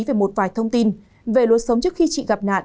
về một vài thông tin về lối sống trước khi chị gặp nạn